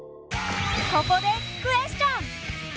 ここでクエスチョン！